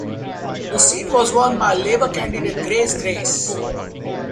The seat was won by Labor candidate Grace Grace.